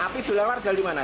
api duluan warga di mana